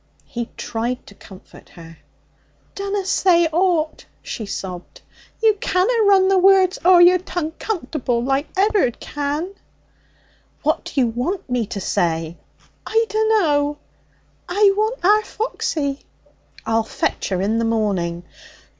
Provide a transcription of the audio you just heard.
He tried to comfort her. 'Dunna say ought!' she sobbed. 'You canna run the words o'er your tongue comfortable like Ed'ard can!' 'What do you want me to say?' 'I dunno. I want our Foxy.' 'I'll fetch her in the morning.'